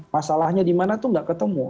masalahnya di mana tuh enggak ketemu